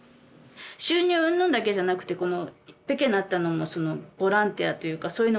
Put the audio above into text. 収入うんぬんだけじゃなくてこのペケになったのもボランティアというかそういうのもあるんですよ。